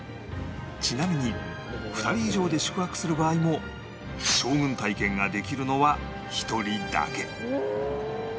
ちなみに２人以上で宿泊する場合も将軍体験ができるのは１人だけ